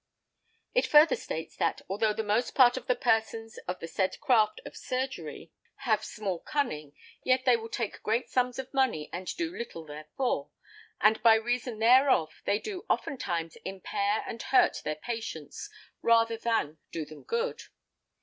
It further states that "although the most part of the persons of the said craft of surgery have small cunning, yet they will take great sums of money and do little therefor, and by reason thereof they do oftentimes impair and hurt their patients rather than do them good."